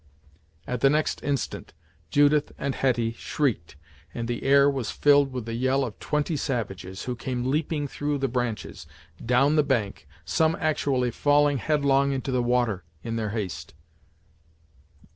At the next instant, Judith and Hetty shrieked, and the air was filled with the yell of twenty savages, who came leaping through the branches, down the bank, some actually falling headlong into the water, in their haste.